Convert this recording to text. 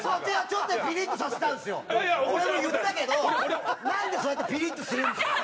俺も言ったけどなんでそうやってピリッとするんですか？